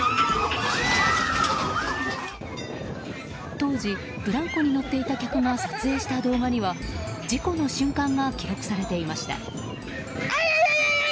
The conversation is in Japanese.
当時、ブランコに乗っていた客が撮影した動画には事故の瞬間が記録されていました。